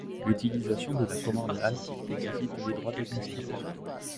L'utilisation de la commande halt nécessite les droits d'administrateur.